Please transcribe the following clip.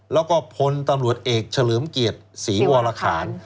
แล้วก็พลตำรวจเอกเฉลิมเกียรติศรีวรคาร